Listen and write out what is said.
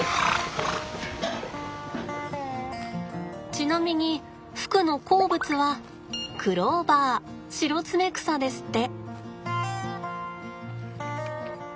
ちなみに福の好物はクローバーシロツメクサですって。